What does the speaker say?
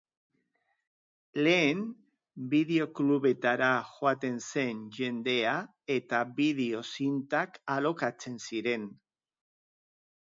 Lehen, bideo-klubetara joaten zen jendea eta bideo-zintak alokatzen ziren.